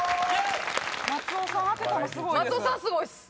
松尾さん当てたのすごいです。